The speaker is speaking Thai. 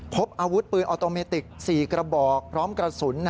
พบอาวุธปืนออโตเมติก๔กระบอกพร้อมกระสุน